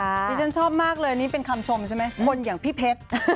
ดิฉันชอบมากเลยนี่เป็นคำชมใช่ไหมคนอย่างพี่เพชร